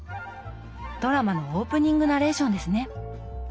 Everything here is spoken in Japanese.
ドラマのオープニングナレーションですね。